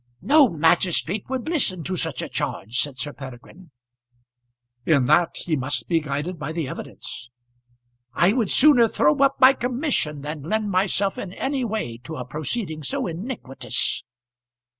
"No magistrate would listen to such a charge," said Sir Peregrine. "In that he must be guided by the evidence." "I would sooner throw up my commission than lend myself in any way to a proceeding so iniquitous."